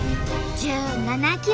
１７ｋｍ。